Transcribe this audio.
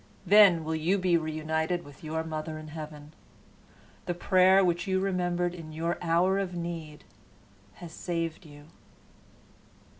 Then will you be reunited with your mother in heaven. The prayer which you remembered in your hour of need has saved you."